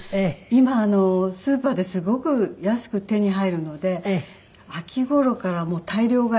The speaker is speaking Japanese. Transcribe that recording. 今スーパーですごく安く手に入るので秋頃から大量買い。